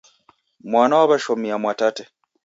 Mwana waw'eshomia Mwatate.